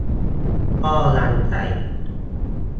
ท่อรังไข่